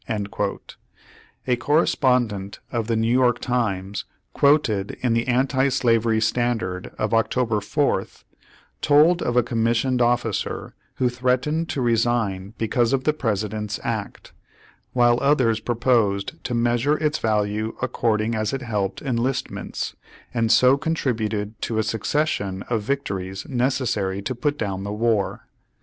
A correspondent of the New York Times, quoted in the Anti Slavery Standard of October 4th, told of a commissioned officer who threatened to resign because of the President's act, while others proposed to measure its value according as it helped enlistments, and so contributed to a succession of victories necessary to put down the war.